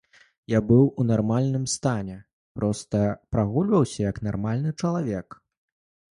Я быў у нармальным стане, проста прагульваўся, як нармальны чалавек.